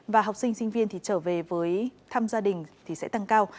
và học sinh sinh viên trở về với thăm gia đình sẽ tăng cao